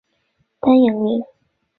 丹阳人。